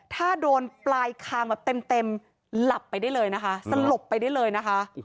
ถ้าโดนปลายคางแบบเต็มหลับไปได้เลยนะคะสลบไปได้เลยนะคะ